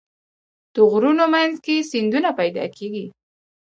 د غرونو منځ کې سیندونه پیدا کېږي.